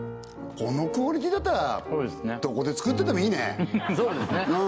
このクオリティだったらどこで作っててもいいねそうですね